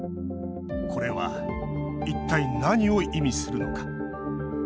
これは一体、何を意味するのか。